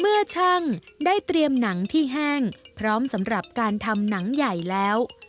เมื่อช่างได้เตรียมหนังที่แห้งพร้อมสำหรับการทำหนังใหญ่แล้ว